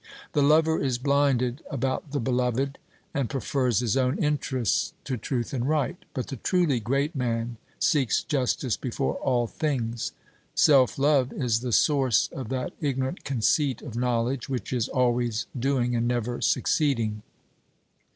The lover is blinded about the beloved, and prefers his own interests to truth and right; but the truly great man seeks justice before all things. Self love is the source of that ignorant conceit of knowledge which is always doing and never succeeding.